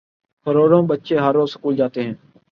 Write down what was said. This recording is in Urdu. کروڑوں بچے ہر روزسکول جا تے ہیں۔